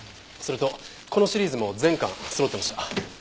それとこのシリーズも全巻そろってました。